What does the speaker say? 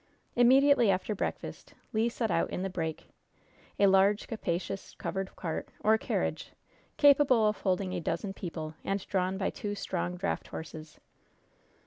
Immediately after breakfast Le set out in the "break" a large, capacious, covered cart, or carriage, capable of holding a dozen people, and drawn by two strong draft horses.